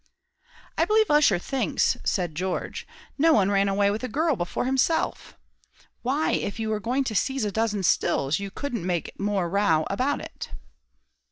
"I believe Ussher thinks," said George, "no one ran away with a girl before himself. Why if you were going to seize a dozen stills, you couldn't make more row about it."